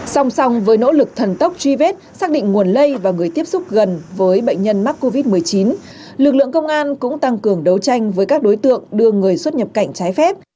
song song với nỗ lực thần tốc truy vết xác định nguồn lây và người tiếp xúc gần với bệnh nhân mắc covid một mươi chín lực lượng công an cũng tăng cường đấu tranh với các đối tượng đưa người xuất nhập cảnh trái phép